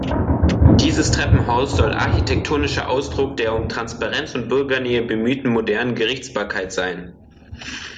Dieses Treppenhaus soll architektonischer Ausdruck der um Transparenz und Bürgernähe bemühten modernen Gerichtsbarkeit sein.